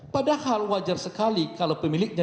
padahal wajar sekali kalau pemiliknya